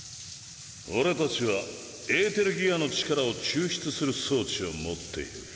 俺たちはエーテルギアの力を抽出する装置を持っている。